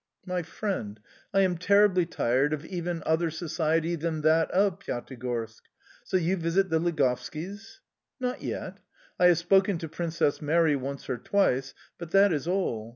"My friend, I am terribly tired of even other society than that of Pyatigorsk. So you visit the Ligovskis?" "Not yet. I have spoken to Princess Mary once or twice, but that is all.